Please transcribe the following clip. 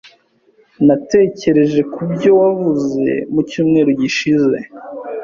Natekereje kubyo wavuze mu cyumweru gishize.